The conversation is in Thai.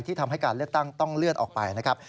ทำให้การเลือกตั้งต้องเลื่อนออกไปนะครับ